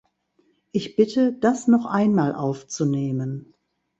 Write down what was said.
Ich bitte, das noch einmal aufzunehmen.